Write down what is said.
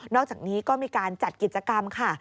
อกจากนี้ก็มีการจัดกิจกรรมค่ะ